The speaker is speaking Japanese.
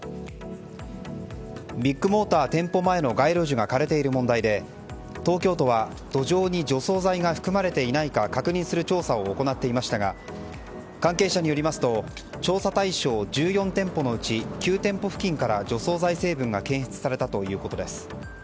ビッグモーター店舗前の街路樹が枯れている問題で東京都は、土壌に除草剤が含まれていないか確認する調査を行っていましたが関係者によりますと調査対象１４店舗のうち９店舗付近から除草剤成分が検出されたということです。